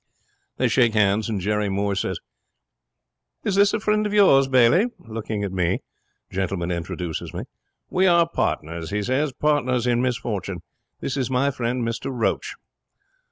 'They shakes hands, and Jerry Moore says, "Is this a friend of yours, Bailey?" looking at me. Gentleman introduces me. "We are partners," he says, "partners in misfortune. This is my friend, Mr Roach."